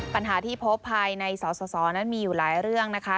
ปัญหาที่พบภายในสสนั้นมีอยู่หลายเรื่องนะคะ